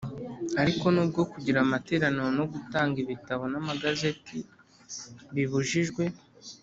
Ariko nubwo kugira amateraniro no gutanga ibitabo n amagazeti bibujijwe